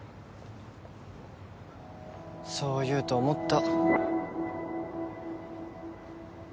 そう言うと思った。